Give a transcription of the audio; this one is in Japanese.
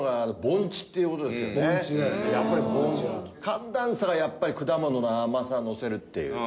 寒暖差がやっぱり果物の甘さをのせるっていう。